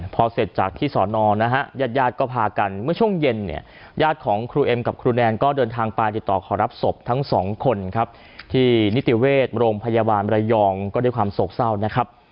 พอเสร็จจากที่สอนอนะฮะญาติญาติก็พากันเมื่อช่วงเย็นเนี่ยญาติของครูเอ็มกับครูแนนก็เดินทางไปติดต่อขอรับศพทั้งสองคนครับที่นิติเวชโรงพยาบาลระยองก็ด้วยความโศกเศร้านะครับ